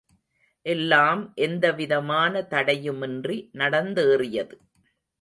எல்லாம் எந்தவிதமான தடையுமின்றி நடந்தேறியது.